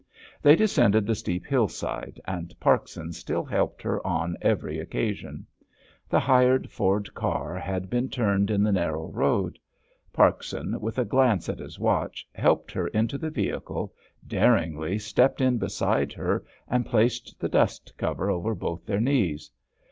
They descended the steep hillside, and Parkson still helped her on every occasion. The hired Ford car had been turned in the narrow road. Parkson, with a glance at his watch, helped her into the vehicle, daringly stepped in beside her, and placed the dust cover over both their knees.